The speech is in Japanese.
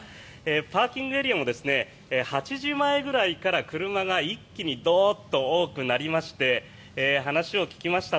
パーキングエリアも８時前ぐらいから車が一気にどーっと多くなりまして話を聞きました